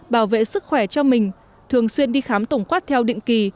bảo vệ sức khỏe cho mình thường xuyên đi khám tổng quát theo định kỳ